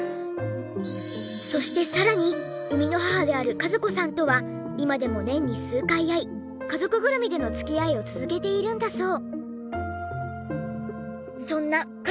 そしてさらに生みの母である和子さんとは今でも年に数回会い家族ぐるみでの付き合いを続けているんだそう。